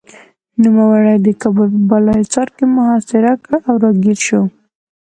نوموړي یې د کابل په بالاحصار کې محاصره کړ او راګېر شو.